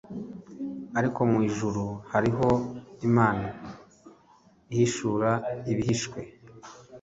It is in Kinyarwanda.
ariko mu ijuru hariho Imana ihishura ibihishwe